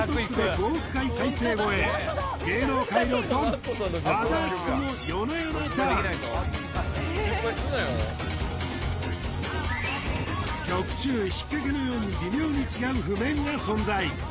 ５億回再生超え芸能界のドン和田アキ子の曲中ひっかけのように微妙に違う譜面が存在